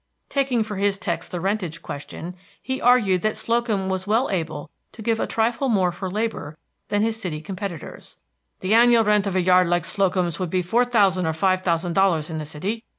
Taking for his text the rentage question, he argued that Slocum was well able to give a trifle more for labor than his city competitors. "The annual rent of a yard like Slocum's would be four thousand or five thousand dollars in the city.